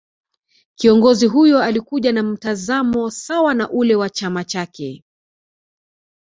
Kiongozi huyo Alikuja na mtazamo sawa na ule wa chama chake